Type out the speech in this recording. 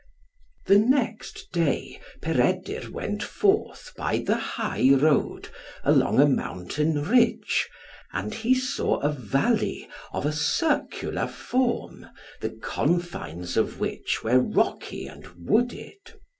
The next day, Peredur went forth by the high road, along a mountain ridge, and he saw a valley of a circular form, the confines of which were rocky and wooded.